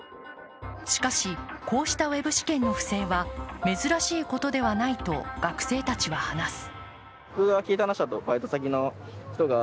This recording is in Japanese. しかし、こうしたウェブ試験の不正は珍しいことではないと学生たちは話す。